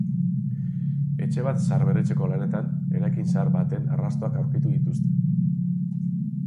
Etxe bat zaharberritzeko lanetan, eraikin zahar baten arrastoak aurkitu dituzte.